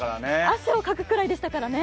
汗をかくぐらいでしたからね。